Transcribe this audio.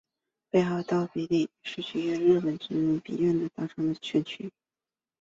北海道比例代表区是日本众议院比例代表制选区。